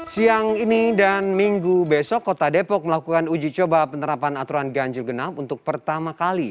siang ini dan minggu besok kota depok melakukan uji coba penerapan aturan ganjil genap untuk pertama kali